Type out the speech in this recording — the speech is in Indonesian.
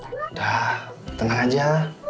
udah tenang aja